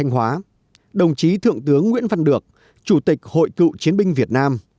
hội cựu chiến binh việt nam